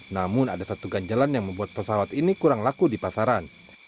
namun ada satu ganjalan yang membuat pesawat ini kurang laku di pasaran